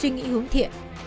suy nghĩ hướng thiện